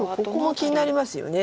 ここも気になりますよね。